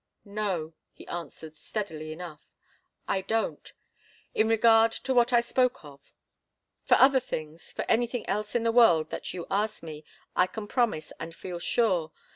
"No," he answered, steadily enough. "I don't in regard to what I spoke of. For other things, for anything else in the world that you ask me, I can promise, and feel sure.